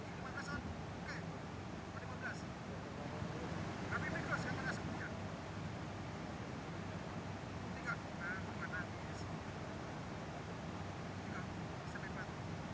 jangan lupa untuk berlangganan dan berlangganan